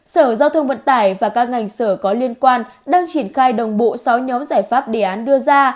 sở giao thông vận tải và các ngành sở có liên quan đang triển khai đồng bộ sáu nhóm giải pháp đề án đưa ra